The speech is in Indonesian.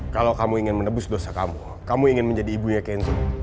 kalau kamu ingin menebus dosa kamu kamu ingin menjadi ibunya kenzo